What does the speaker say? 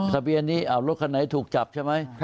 ทะเบียนนี้รถคันไหนถูกจับใช่ไหม